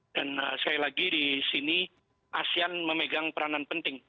dan sekali lagi di sini asean memegang peranan penting